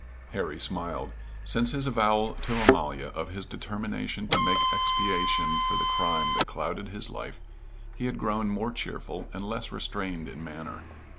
Harry smiled. Since his avowal to Amalia of his determination to make expiation for the crime that clouded his life, he had grown more cheerful and less restrained in manner.